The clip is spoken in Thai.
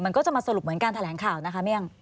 มันก็จะมาสรุปเหมือนกันทะแหลงข่าวนะคะ